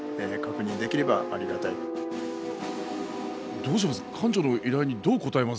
どうします？